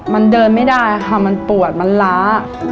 มันเดินไม่ได้ค่ะมันปวดมันล้า